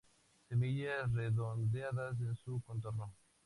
Semillas redondeadas en su contorno.